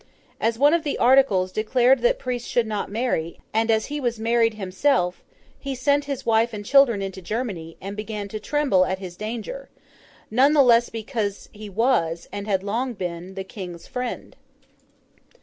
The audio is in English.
As one of the articles declared that priests should not marry, and as he was married himself, he sent his wife and children into Germany, and began to tremble at his danger; none the less because he was, and had long been, the King's friend.